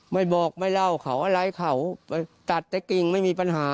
ไม่บอกไม่เล่าเขาอะไรเขาไปตัดแต่กิ่งไม่มีปัญหา